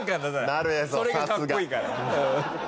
それがかっこいいから。